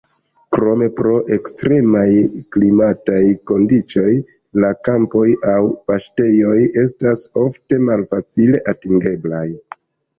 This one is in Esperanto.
Krome pro ekstremaj klimataj kondiĉoj la kampoj aŭ paŝtejoj estas ofte malfacile atingeblaj.